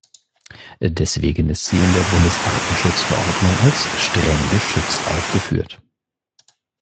Deswegen ist sie in der Bundesartenschutzverordnung als "Streng geschützt" aufgeführt.